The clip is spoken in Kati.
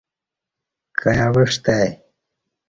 کائی اوعستہ آئی